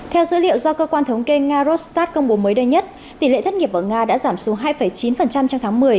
theo dữ liệu do cơ quan thống kê nga rostat công bố mới đơn nhất tỷ lệ thất nghiệp ở nga đã giảm xuống hai chín trong tháng một mươi